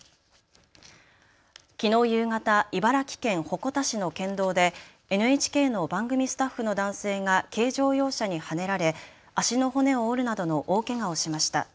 きのう夕方、茨城県鉾田市の県道でＮＨＫの番組スタッフの男性が軽乗用車にはねられ足の骨を折るなどの大けがをしました。